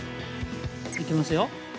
いきますよ。